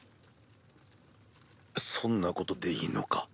そんなことでいいのか？